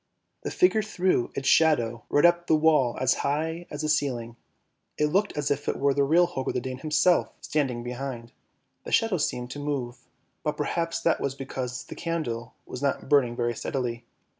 The figure threw its shadow right up the wall as high as the ceiling, it looked as if it were the real Holger the Dane himself standing behind ; the shadow seemed to move, but perhaps that was because the candle was not burning very steadily.